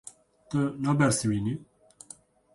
Tu nabersivînî.